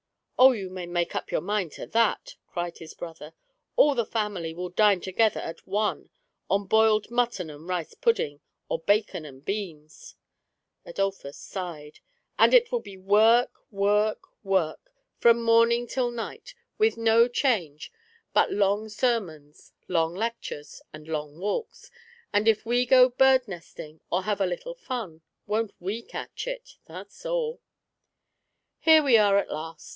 " Oh, you may make up your mind to that !" cried his brother; "all the family will dine together at One on boiled mutton and rice pudding, or bacon and beans !" Adolphus sighed. "And it will be work, work, work, from morning till night, with no change but long ser mons, long lectures, and long walks; and if we go bird nesting, or have a little fun, won't we catch it — that's aU !" "Here we are at last!"